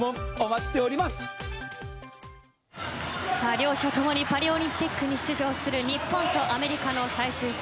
両者共にパリオリンピックに出場する日本とアメリカの最終戦。